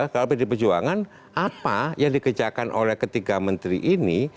kalau pdi perjuangan apa yang dikerjakan oleh ketiga menteri ini